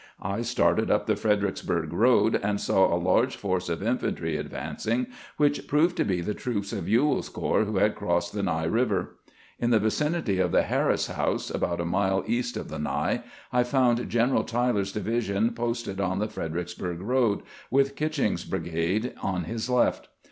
I started up the Fredericksburg road, and saw a large force of infantry advancing, which proved to be the troops of Swell's corps who had crossed the Ny River, In the vicinity of the Harris house, about a mile east of the Ny, I found G eneral Tyler's division posted on the Fredericksburg road, with Kitching's brigade on his left.